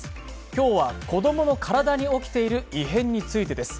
今日は子供の体に起きている異変についてです。